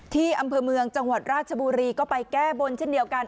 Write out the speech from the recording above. ที่อำเภอเมืองจังหวัดราชบุรีก็ไปแก้บนเช่นเดียวกัน